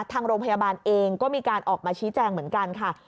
ทางโรงพยาบาลเองก็มีการออกมาชี้แจงเหมือนกันค่ะ